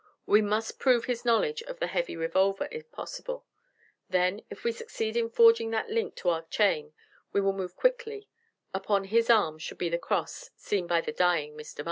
We must prove his knowledge of the heavy revolver, if possible. Then if we succeed in forging that link to our chain, we will move quickly; upon his arm should be the cross seen by the dying Mr. Mark."